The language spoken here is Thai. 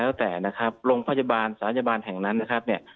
นะโค้กถ็ะและตั้งแต่ว่าโรงพยาบาลแห่งนั้นนะครับเนี่ย